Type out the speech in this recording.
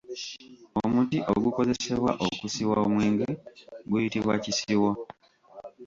Omuti ogukozesebwa okusiwa omwenge guyitibwa Kisiwo.